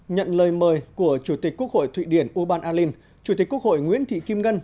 nhận lời mời của chủ tịch quốc hội thụy điển u ban a linh chủ tịch quốc hội nguyễn thị kim ngân